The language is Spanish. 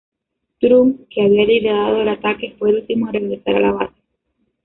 Trung, que había liderado el ataque, fue el último en regresar a la base.